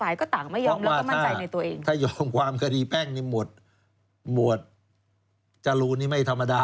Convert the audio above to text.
ยอมรับว่าตัวเองไม่ได้ซื้อ